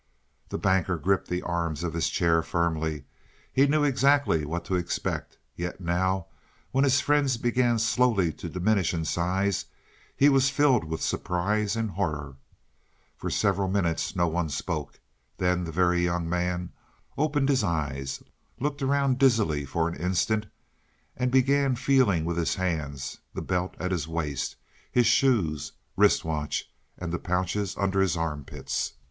The Banker gripped the arms of his chair firmly. He knew exactly what to expect, yet now when his friends began slowly to diminish in size he was filled with surprise and horror. For several minutes no one spoke. Then the Very Young Man opened his eyes, looked around dizzily for an instant, and began feeling with his hands the belt at his waist, his shoes, wrist watch, and the pouches under his armpits.